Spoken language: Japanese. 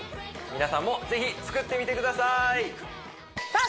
皆さんも是非作ってみてくださいさあ